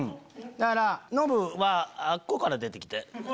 だからノブはあっこから出て来て。